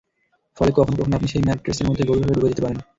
ফলে কখনো কখনো আপনি সেই ম্যাট্রেসের মধ্যে গভীরভাবে ডুবে যেতে পারেন।